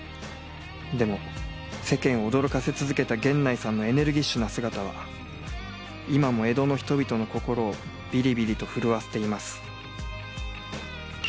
［でも世間を驚かせ続けた源内さんのエネルギッシュな姿は今も江戸の人々の心をびりびりと震わせています］